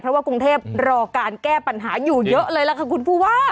เพราะว่ากรุงเทพรอการแก้ปัญหาอยู่เยอะเลยล่ะค่ะคุณผู้ว่า